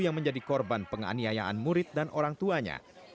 yang menjadi korban penganiayaan murid dan orang tuanya